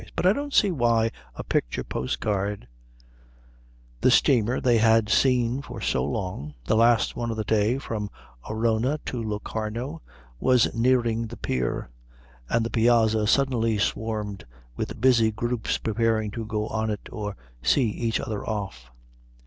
"But I don't see why a picture postcard " The steamer they had seen for so long, the last one of the day from Arona to Locarno, was nearing the pier, and the piazza suddenly swarmed with busy groups preparing to go on it or see each other off.